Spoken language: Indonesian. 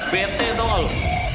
bt tau gak lo